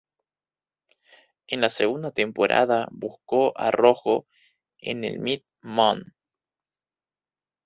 En la segunda temporada buscó a Rojo en el Mt. Moon.